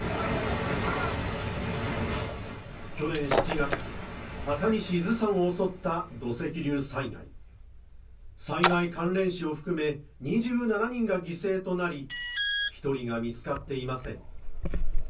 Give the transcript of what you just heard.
去年７月熱海市伊豆山を襲った土石流災害災害関連死を含め２７人が犠牲となり一人が見つかっていません